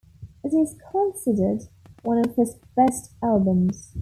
It is considered one of his best albums.